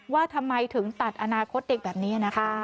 ว่าทำไมถึงตัดอนาคตเด็กแบบนี้นะคะ